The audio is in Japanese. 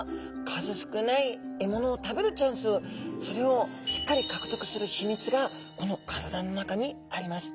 数少ない獲物を食べるチャンスそれをしっかり獲得する秘密がこの体の中にあります。